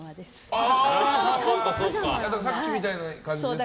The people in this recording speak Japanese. さっきみたいな感じですね。